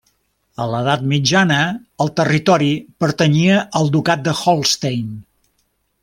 A l'edat mitjana el territori pertanyia al ducat de Holstein.